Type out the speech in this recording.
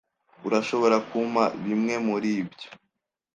Urashobora kumpa bimwe muribyo?